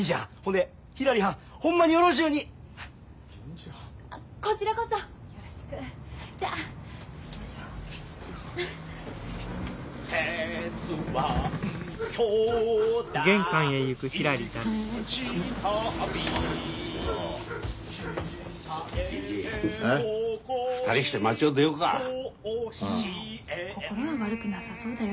でも心は悪くなさそうだよ。